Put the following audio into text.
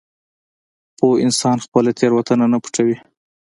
پوه انسان خپله تېروتنه نه پټوي.